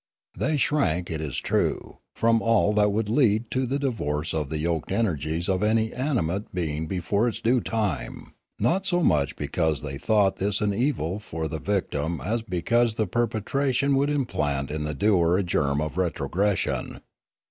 They shrank, it is true, from all that would lead to the divorce of the yoked energies of any animate being before its due time; not so much because they thought this an evil for the victim as because the perpetration would im plant in the doer a germ of retrogression.